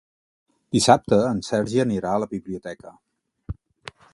Dissabte en Sergi anirà a la biblioteca.